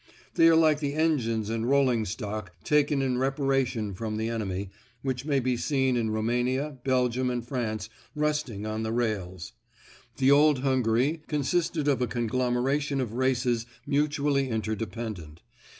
They are like the engines and rolling stock taken in reparation from the enemy, which may be seen in Roumania, Belgium and France rusting on the rails. The old Hungary consisted of a conglomeration of races mutually inter dependent.